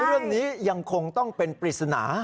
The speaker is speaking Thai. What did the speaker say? เรื่องนี้ยังคงต้องเป็นปริศนา